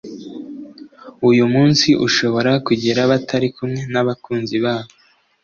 uyu munsi ushobora kugera batari kumwe n’abakunzi babo